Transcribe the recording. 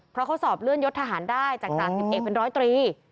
เพราะเขาสอบเลื่อนยศทหารได้จากตร๑๑เป็นร้อยตรี